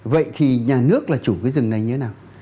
vậy thì nhà nước là chủ cái rừng này như thế nào